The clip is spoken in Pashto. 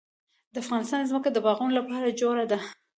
د افغانستان ځمکه د باغونو لپاره جوړه ده.